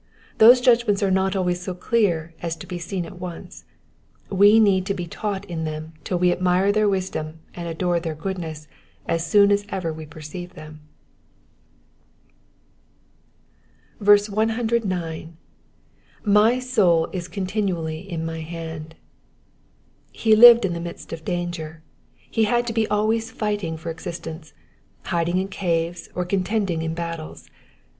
Those judgments are not always so clear as to be seen at once ; we need to be taught in them till we admire their wisdom and adore their goodness as soon as ever we perceive them. 109. ^^My Boulis cantinttally in my Tiand,''^ He lived in the midst of danger. He had to be always fighting for existence — hiding in caves, or contending in battles.